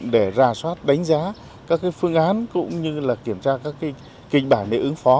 để ra soát đánh giá các phương án cũng như kiểm tra các kinh bản để ứng phó